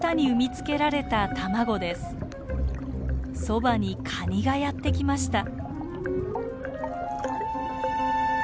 そばにカニがやってきました。